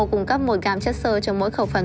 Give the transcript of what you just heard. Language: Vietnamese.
cung cấp một gram chất sơ cho mỗi khẩu phần